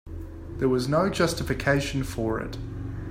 There was no justification for it.